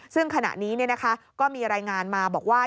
ซึ่งขณะนี้ก็มีรายงานมาบอกว่า